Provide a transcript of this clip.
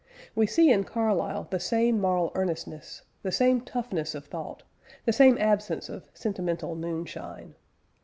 We see in Carlyle the same moral earnestness, the same "toughness" of thought, the same absence of "sentimental moonshine."